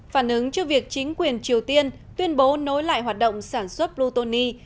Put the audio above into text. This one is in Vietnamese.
phản ứng trước việc chính quyền triều tiên tuyên bố nối lại hoạt động sản xuất plutonium